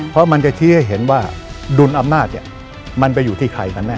เพราะมันจะชี้ให้เห็นว่าดุลอำนาจเนี่ยมันไปอยู่ที่ใครกันแน่